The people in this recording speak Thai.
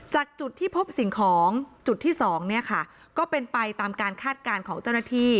จากจุดที่พบสิ่งของจุดที่สองเนี่ยค่ะก็เป็นไปตามการคาดการณ์ของเจ้าหน้าที่